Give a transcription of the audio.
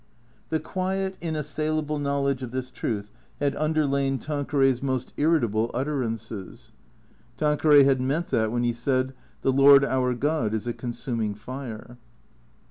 The quiet, inassailable knowledge of this truth had underlain Tanqueray's most irritable utterances. Tanqueray had meant that when he said, " The Lord our God is a consuming fire."